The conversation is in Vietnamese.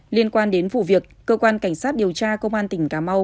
liên quan đến vụ việc cơ quan cảnh sát điều tra công an tỉnh cà mau